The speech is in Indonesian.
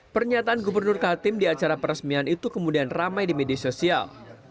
pernyataan gubernur kaltim di acara peresmian itu kemudian ramai di media sosial